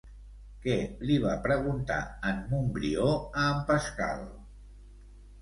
Què li va preguntar en Montbrió a en Pascal?